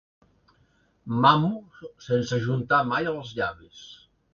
Mamo sense ajuntar mai els llavis.